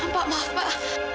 pak maaf pak